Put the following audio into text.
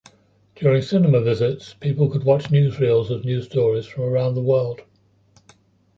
During cinema visits, people could watch newsreels of news stories from around the world.